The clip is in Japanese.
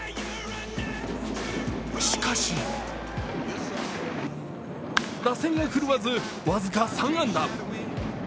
しかし打線が振るわず僅か３安打。